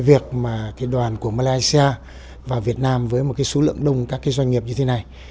việc đoàn của malaysia và việt nam với một số lượng đông các doanh nghiệp như thế này